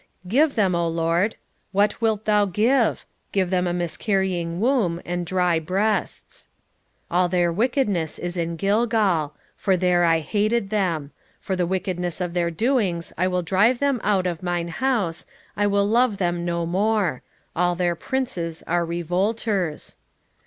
9:14 Give them, O LORD: what wilt thou give? give them a miscarrying womb and dry breasts. 9:15 All their wickedness is in Gilgal: for there I hated them: for the wickedness of their doings I will drive them out of mine house, I will love them no more: all their princes are revolters.